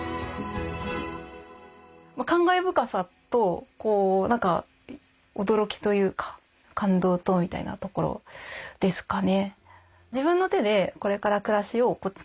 感慨深さと何か驚きというか感動とみたいなところですかね。